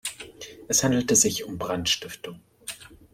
Es handelte sich um Brandstiftung.